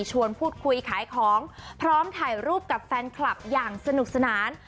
ชวนพูดคุยขายของพร้อมถ่ายรูปกับแฟนคลับอย่างสนุกสนาน